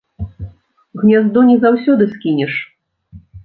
Гняздо не заўсёды скінеш.